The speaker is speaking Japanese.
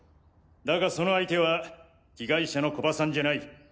だがその相手は被害者の古葉さんじゃない。